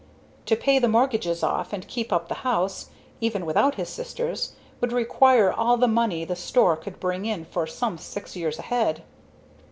To pay the mortgages off, and keep up the house, even without his sisters, would require all the money the store would bring in for some six years ahead.